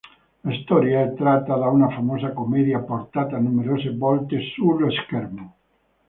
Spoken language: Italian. La storia è tratta da una famosa commedia portata numerose volte sullo schermo.